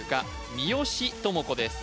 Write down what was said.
三好智子です